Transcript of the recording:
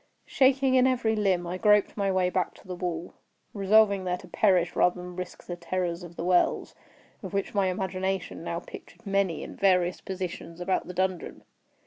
Shaking in every limb, I groped my way back to the wall—resolving there to perish rather than risk the terrors of the wells, of which my imagination now pictured many in various positions about the dungeon.